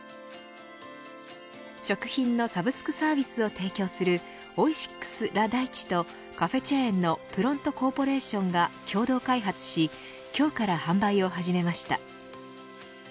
食品のサブスクサービスを提供するオイシックス・ラ・大地とカフェチェーンのプロントコーポレーションが共同開発し今日から販売を始めました。